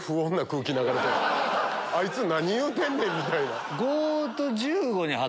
「あいつ何言うてんねん？」みたいな。